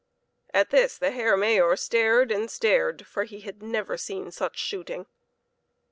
At this the Herr Mayor stared and stared, for he had never seen such shooting.